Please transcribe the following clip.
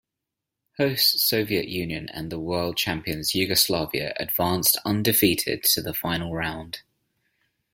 Hosts Soviet Union and the world champions Yugoslavia advanced undefeated to the final round.